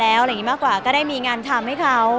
อะไรอย่างนี้มากกว่าก็ได้มีงานทำให้เขา